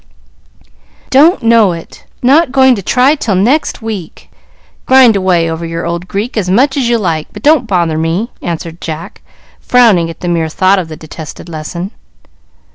"Don't know it. Not going to try till next week. Grind away over your old Greek as much as you like, but don't bother me," answered Jack, frowning at the mere thought of the detested lesson.